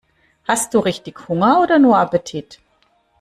Hast du richtig Hunger oder nur Appetit?